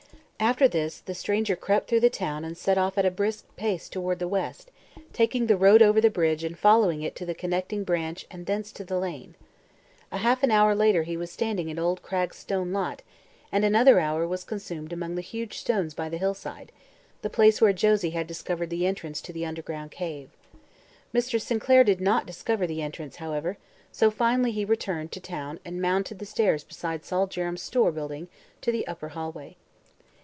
After this the stranger crept through the town and set off at a brisk pace toward the west, taking the road over the bridge and following it to the connecting branch and thence to the lane. A half hour later he was standing in old Cragg's stone lot and another hour was consumed among the huge stones by the hillside the place where Josie had discovered the entrance to the underground cave. Mr. Sinclair did not discover the entrance, however, so finally he returned to town and mounted the stairs beside Sol Jerrem's store building to the upper hallway.